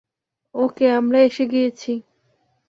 ওকে, আমরা এসে গিয়েছি।